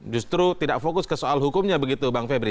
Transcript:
justru tidak fokus ke soal hukumnya begitu bang febri